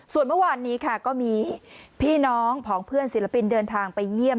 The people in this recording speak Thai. ส่วนเมื่อวานนี้ค่ะก็มีพี่น้องของเพื่อนศิลปินเดินทางไปเยี่ยม